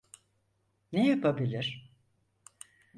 Ne yapabilir?